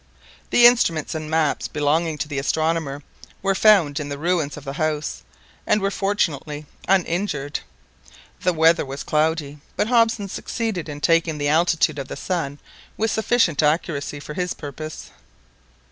The instruments and maps belonging to the astronomer were found in the ruins of the house, and were fortunately uninjured. The weather was cloudy, but Hobson succeeded in taking the altitude of the sun with sufficient accuracy for his purpose.